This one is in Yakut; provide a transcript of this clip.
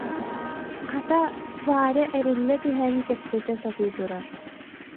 Хата, Варя эриллэ түһэн кэпсэтэ сатыы турар